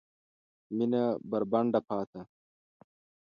مېنه بربنډه پاته